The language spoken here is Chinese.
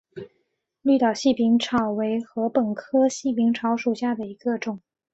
绿岛细柄草为禾本科细柄草属下的一个种。